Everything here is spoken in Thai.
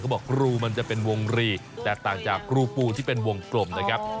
บอกรูมันจะเป็นวงรีแตกต่างจากรูปูที่เป็นวงกลมนะครับ